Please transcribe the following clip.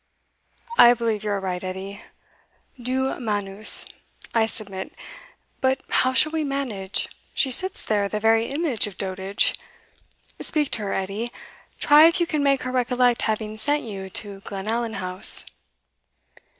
"I believe you are right, Edie Do manus I submit. But how shall we manage? She sits there the very image of dotage. Speak to her, Edie try if you can make her recollect having sent you to Glenallan House."